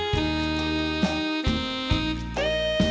ขอโชคดีค่ะ